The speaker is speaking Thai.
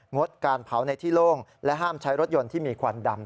งดการเผาในที่โล่งและห้ามใช้รถยนต์ที่มีควันดำ